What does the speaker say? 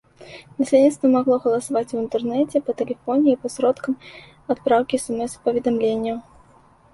Насельніцтва магло галасаваць у інтэрнэце, па тэлефоне і пасродкам адпраўкі смс-паведамленняў.